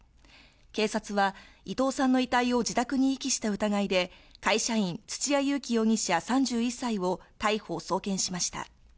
警察は伊藤さんの遺体を自宅に遺棄した疑いで会社員、土屋勇貴容疑者３１歳を逮捕・送検しました。